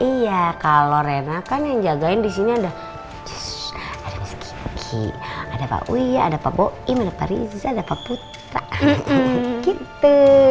iya kalo rena kan yang jagain disini ada jus ada miss gibi ada pak wia ada pak boim ada pak riza ada pak putra gitu